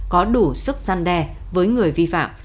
có đủ sức gian đe với người vi phạm